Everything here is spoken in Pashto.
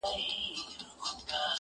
o دا يې د ميــــني تـرانـــه ماته كــړه.